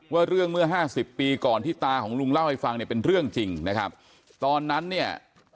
ว่าเรื่องเมื่อห้าสิบปีก่อนที่ตาของลุงเล่าให้ฟังเนี่ยเป็นเรื่องจริงนะครับตอนนั้นเนี่ย